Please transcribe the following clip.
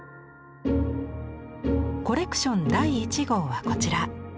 コレクション第一号はこちら。